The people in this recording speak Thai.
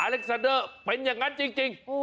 เล็กซาเดอร์เป็นอย่างนั้นจริง